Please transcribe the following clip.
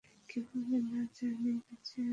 কীভাবে না জানি বেচারি মরল।